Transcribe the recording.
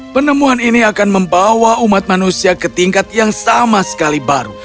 penemuan ini akan membawa umat manusia ke tingkat yang sama sekali baru